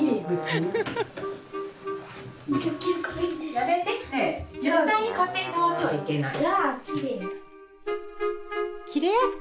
やめて！ねえ絶対に勝手に触ってはいけない。